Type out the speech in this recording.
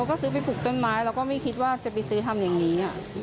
ก็ซื้อไปปลูกต้นไม้เราก็ไม่คิดว่าจะไปซื้อทำอย่างนี้